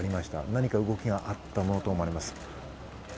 何か動きがあったものとみられます。